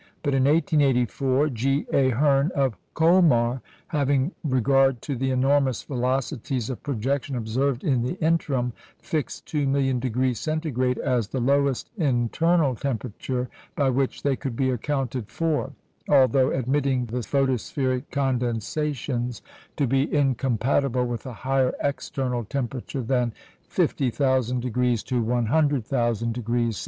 But in 1884, G. A. Hirn of Colmar, having regard to the enormous velocities of projection observed in the interim, fixed two million degrees Centigrade as the lowest internal temperature by which they could be accounted for; although admitting the photospheric condensations to be incompatible with a higher external temperature than 50,000° to 100,000° C.